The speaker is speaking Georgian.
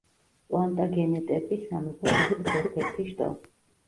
პლანტაგენეტების სამეფო სახლის ერთ-ერთი შტო.